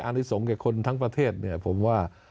อาริสงค์ให้คนทั้งประเทศเนี่ยผมว่า